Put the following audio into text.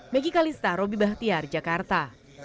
megi kalista robby bahtiar jakarta